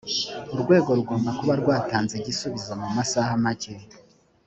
urwego rugomba kuba rwatanze igisubizo mu masaha make